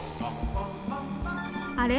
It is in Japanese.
あれ？